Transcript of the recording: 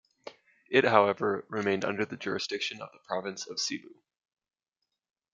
It however, remained under the jurisdiction of the province of Cebu.